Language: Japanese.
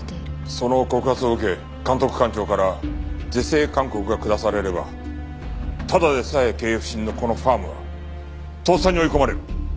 その告発を受け監督官庁から是正勧告が下されればただでさえ経営不振のこのファームは倒産に追い込まれる。